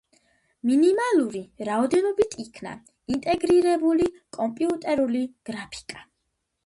მინიმალური რაოდენობით იქნა ინტეგრირებული კომპიუტერული გრაფიკა.